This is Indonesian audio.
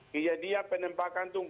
kejadian penembak kantung